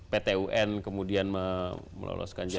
pt un kemudian meloloskan jakarta